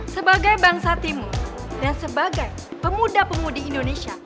sebagai bangsa timur dan sebagai pemuda pemudi indonesia